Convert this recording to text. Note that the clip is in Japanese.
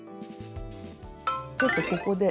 ちょっとここで。